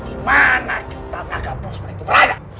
di mana kita magaprosmah itu berada